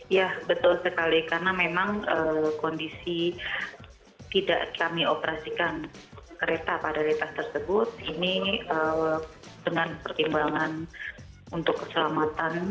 ya betul sekali karena memang kondisi tidak kami operasikan kereta padalitas tersebut ini dengan pertimbangan untuk keselamatan